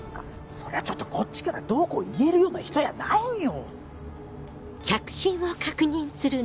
そりゃちょっとこっちからどうこう言えるような人やないんよ！